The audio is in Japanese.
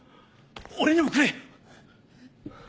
俺にもくれ！